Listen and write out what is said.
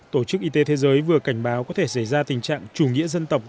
tổ chức y tế thế giới vừa cảnh báo có thể xảy ra tình trạng chủ nghĩa dân tộc